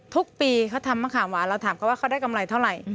ทุกปีเขาทำมะขามหวานเราถามเขาว่าเขาได้กำไรเท่าไหร่